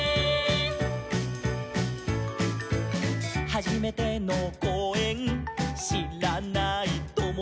「はじめてのこうえんしらないともだち」